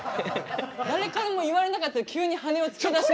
誰からも言われなかったけど急に羽をつけだしました。